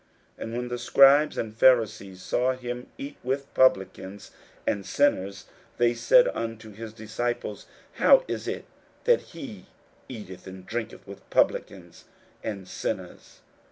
41:002:016 And when the scribes and Pharisees saw him eat with publicans and sinners, they said unto his disciples, How is it that he eateth and drinketh with publicans and sinners?